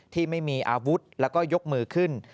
ที่ไม่มีอาวุธแล้วก็ยกมือขึ้น